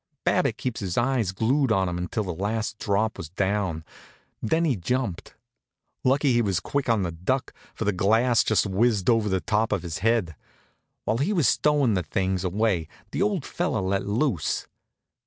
Babbitt keeps his eyes glued on him until the last drop was down, then he jumped. Lucky he was quick on the duck, for the glass just whizzed over the top of his head. While he was stowin' the things away the old fellow let loose.